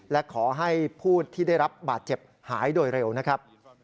และขอให้ผู้ที่ได้รับบาดเจ็บหายโดยเร็วนะครับ